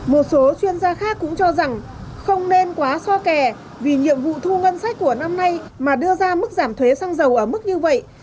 một số chuyên gia khác cũng cho rằng không nên quá so kè vì nhiệm vụ thu ngân sách của năm nay mà đưa ra mức giảm thuế xăng dầu ở mức như vậy